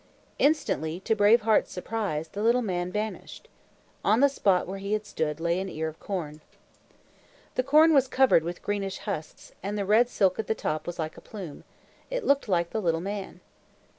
Instantly, to Brave Heart's surprise, the little man vanished. On the spot where he had stood lay an ear of corn. The corn was covered with greenish husks, and the red silk at the top was like a plume. It looked like the little man.